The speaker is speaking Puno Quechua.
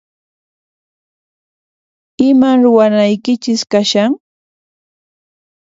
Iman ruwanaykichis kashan?